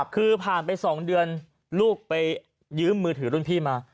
คือผ่านไป๒เดือนลูกไปยืมมือถือรุ่นพี่มา